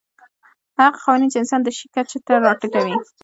هغه قوانین چې انسان د شي کچې ته راټیټوي.